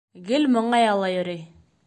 Гел моңая ла йөрөй.